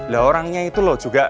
lah orangnya itu loh juga